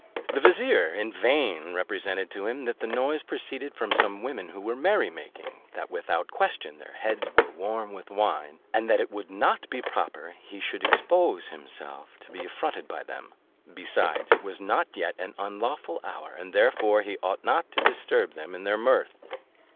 The vizier, in vain represented to him that the noise proceeded from some women who were merry making, that without question their heads were warm with wine, and that it would not be proper he should expose himself to be affronted by them: besides, it was not yet an unlawful hour, and therefore he ought not to disturb them in their mirth.